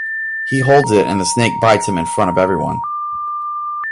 He holds it and the snake bites him in front of everyone.